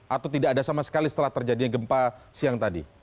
atau tidak ada sama sekali setelah terjadinya gempa siang tadi